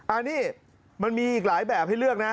อันนี้มันมีอีกหลายแบบให้เลือกนะ